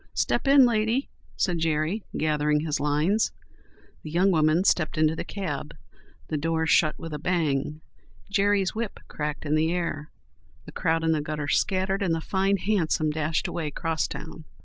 "Step in, lady," said Jerry, gathering his lines. The young woman stepped into the cab; the doors shut with a bang; Jerry's whip cracked in the air; the crowd in the gutter scattered, and the fine hansom dashed away 'crosstown.